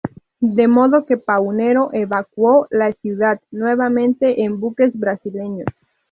De modo que Paunero evacuó la ciudad, nuevamente en buques brasileños.